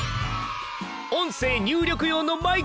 音声入力用のマイクです！